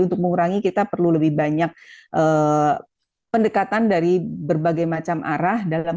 untuk mengurangi kita perlu lebih banyak pendekatan dari berbagai macam arah dalam